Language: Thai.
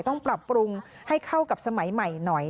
ต้องปรับปรุงให้เข้ากับสมัยใหม่หน่อย